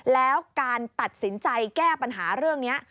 แล้วการตัดสินใจแก้ปัญหาเรื่องนี้